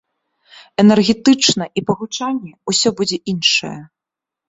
Энергетычна і па гучанні ўсё будзе іншае.